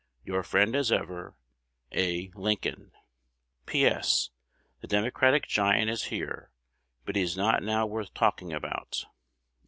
Your friend as ever, A. Lincoln. P. S. The Democratic giant is here, but he is not now worth talking about.